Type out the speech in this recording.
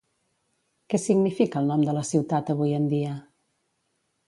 Què significa el nom de la ciutat avui en dia?